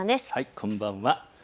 こんばんは。